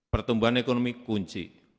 pertumbuhan ekonomi kunci